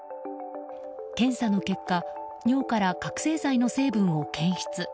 検査の結果尿から覚醒剤の成分を検出。